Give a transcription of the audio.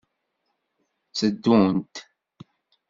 Tteddunt.